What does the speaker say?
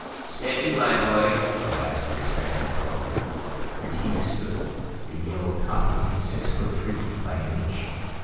"Steady, my boy," Ambassador Spradley called. Retief stood, the Yill topping his six foot three by an inch.